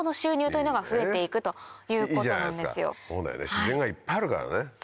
自然がいっぱいあるからね。